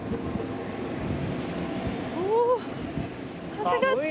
風が強い。